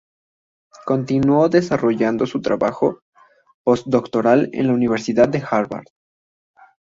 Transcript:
Continuó desarrollando su trabajo postdoctoral en la Universidad de Harvard.